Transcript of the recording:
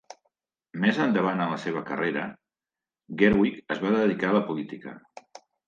Més endavant en la seva carrera, Gerwig es va dedicar a la política.